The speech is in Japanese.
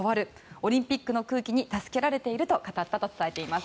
オリンピックの空気に助けられると語っているといいます。